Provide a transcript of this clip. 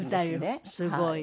すごい。